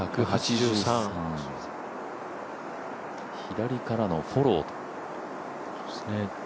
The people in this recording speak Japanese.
左からのフォロー。